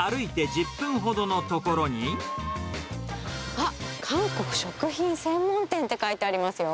あっ、韓国食品専門店って書いてありますよ。